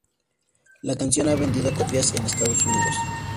La canción ha vendido copias en Estados Unidos.